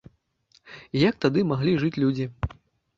І як тады маглі жыць людзі?